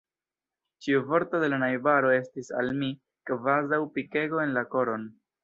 Ĉiu vorto de la najbaro estis al mi kvazaŭ pikego en la koron.